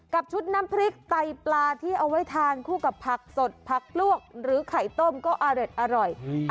กับชุดน้ำพริกไตปลาที่เอาไว้ทานคู่กับผักสดผักลวกหรือไข่ต้มก็อร่อย